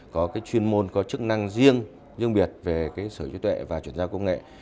có chuyên môn có chức năng riêng riêng biệt về sở hữu tuệ và chuyển gia công nghệ